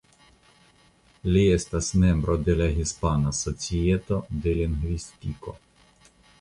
Li estas membro de la Hispana Societo de Lingvistiko.